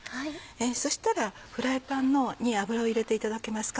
そしたらフライパンに油を入れていただけますか？